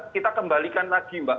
kita kembalikan lagi mbak